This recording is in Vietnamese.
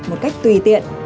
một cách tùy tiện